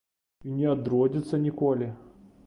І не адродзіцца ніколі.